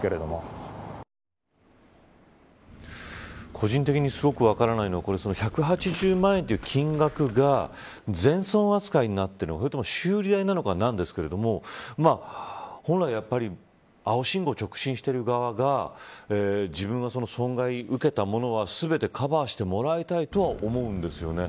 個人的にすごく分からないのは１８０万円という金額が全損扱いになっているのかそれとも修理代になっているのかなんですが本来やっぱり青信号を直進している側が自分が損害を受けたものは全部カバーしてもらいたいとは思うんですよね。